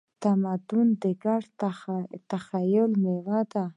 تمدن د ګډ تخیل میوه ده.